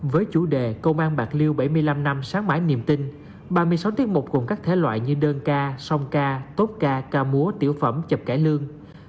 với chủ đề công an bạc liêu bảy mươi năm năm sáng mãi niềm tin ba mươi sáu tiết mục cùng các thể loại như đơn ca song ca tốt ca ca múa tiểu phẩm chập cải lương